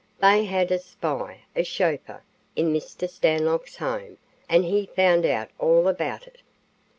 They had a spy, a chauffeur, in Mr. Stanlock's home, and he found out all about it.